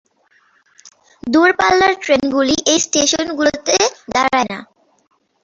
দূরপাল্লার ট্রেনগুলি এই স্টেশনগুলিতে দাঁড়ায় না।